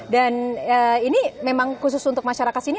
dan ini memang khusus untuk masyarakat sini